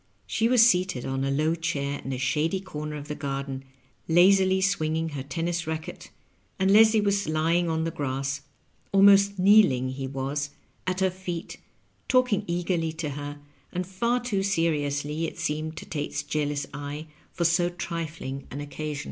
She was seated on a low chair in a shady comer of the garden, lazily swinging her tennis^ racket, and Leslie was lying on the grass — ^almost kneel ing, he was — ^at her feet, talking eagerly to her, and far too seriously, it seemed to Tate's jealous eye, for so tri fling an occasion.